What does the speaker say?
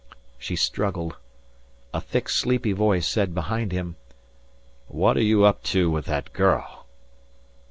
She struggled. A thick sleepy voice said behind him: "What are you up to with that girl?"